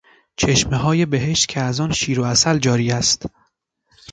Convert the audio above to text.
چشمههای بهشت که از آن شیر و عسل جاری است